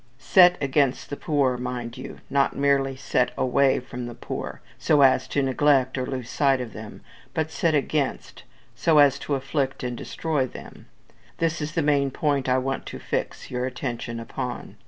Set against the poor, mind you. Not merely set away from the poor, so as to neglect or lose sight of them, but set against, so as to afflict and destroy them. This is the main point I want to fix. your attention upon.